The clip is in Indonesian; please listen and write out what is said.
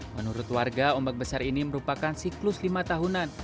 menurut warga ombak besar ini merupakan siklus lima tahunan